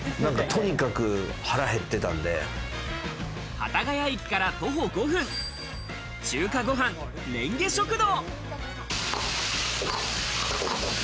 幡ヶ谷駅から徒歩５分、「中華ごはんれんげ食堂」。